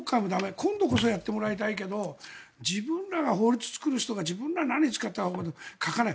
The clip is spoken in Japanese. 今度こそやってもらいたいけど自分たち、法律が作る人が自分らが何に使ったか書かない。